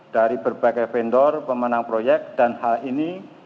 dari berbagai vendor pemenang proyek dan hal ini